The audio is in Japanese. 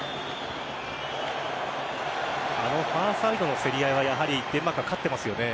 あのファーサイドの競り合いはやはりデンマークが勝ってますね。